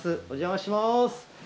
お邪魔します。